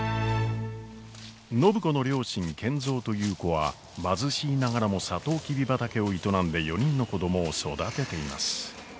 暢子の両親賢三と優子は貧しいながらもサトウキビ畑を営んで４人の子供を育てています。